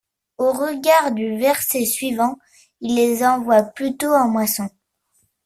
Au regard du verset suivant, il les envoie plutôt en moisson.